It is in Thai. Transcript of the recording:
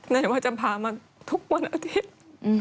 ไหนว่าจะพามาทุกวันอาทิตย์